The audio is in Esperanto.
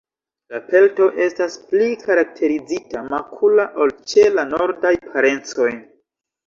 La pelto estas pli karakteriza, makula ol ĉe la nordaj parencoj.